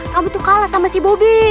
kamu tuh kalah sama si bobi